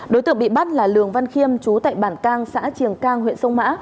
đối tượng bị bắt là lường văn khiêm chú tại bản cang xã triềng cang huyện sông mã